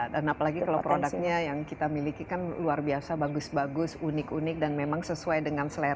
dan apalagi kalau produknya yang kita miliki kan luar biasa bagus bagus unik unik dan memang sesuai dengan selera pasar